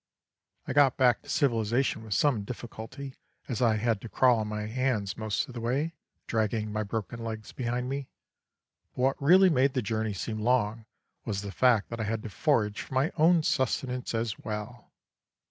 I got back to civilisation with some difficulty, as I had to crawl on my hands most of the way, dragging my broken legs behind me; but what really made the journey seem long was the fact that I had to forage for my own sustenance as well.